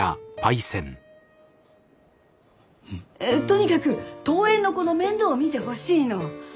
とにかく遠縁の子の面倒を見てほしいの。